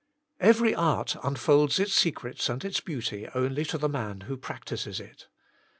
Every art unfolds its secrets and its beauty only to the man who practises it.